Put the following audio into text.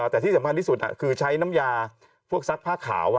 แต่ที่สำคัญที่สุดคือใช้น้ำยาพวกซักผ้าขาว